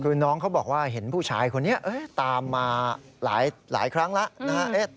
คือน้องเขาบอกว่าเห็นผู้ชายคนนี้ตามมาหลายครั้งแล้วนะฮะ